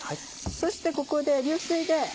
そしてここで流水で。